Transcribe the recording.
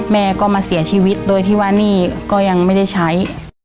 แม่ก็มาเสียชีวิตโดยที่ว่าหนี้ก็ยังไม่ได้ใช้